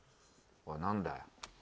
おいなんだよ。